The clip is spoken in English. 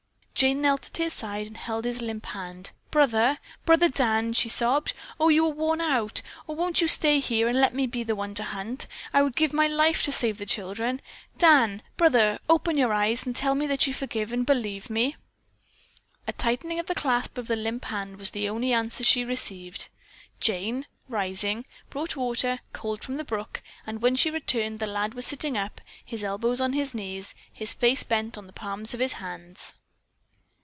Jane knelt at his side and held his limp hand. "Brother. Brother Dan," she sobbed, "you are worn out. Oh, won't you stay here and let me be the one to hunt? I would give my life to save the children. Dan, brother, open your eyes and tell me that you forgive me and believe me." A tightening of the clasp of the limp hand was the only answer she received. Jane, rising, brought water, cold from the brook, and when she returned the lad was sitting up, his elbows on his knees, his face bent on the palms of his hands.